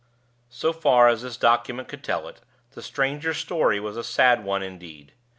So far as this document could tell it, the stranger's story was a sad one indeed.